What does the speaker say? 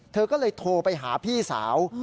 เธอก็เลยโทรไปหาพี่สาว